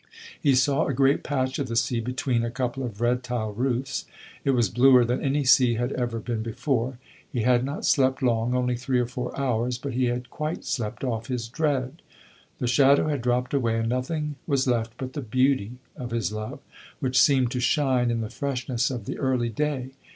He saw a great patch of the sea between a couple of red tiled roofs; it was bluer than any sea had ever been before. He had not slept long only three or four hours; but he had quite slept off his dread. The shadow had dropped away and nothing was left but the beauty of his love, which seemed to shine in the freshness of the early day.